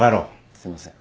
すいません。